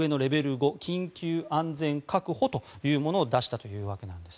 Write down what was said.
５緊急安全確保というものを出したということです。